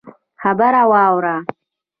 خبره واوره!